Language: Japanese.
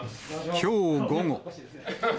きょう午後。